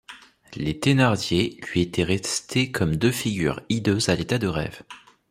Les Thénardier lui étaient restés comme deux figures hideuses à l’état de rêve.